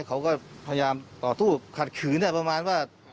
เขาก็พยายามต่อสู้ขัดขืนประมาณว่า